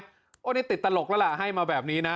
ไม่ติดตลกแล้วล่ะให้มาแบบนี้นะ